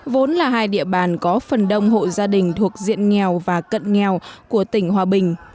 vốn là hai địa bàn có phần đông hộ gia đình thuộc diện nghèo và cận nghèo của tỉnh hòa bình